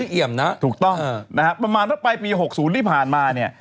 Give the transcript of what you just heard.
เอมน่ะถูกต้องเออนะครับประมาณประป๋าปลายปีหกศูนย์ที่ผ่านมาเนี้ย